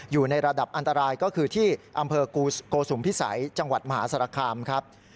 อยู่ในระดับอันตรายก็คือที่อำเภอโกสุมพิสัยจังหวัดมหาสารคามครับ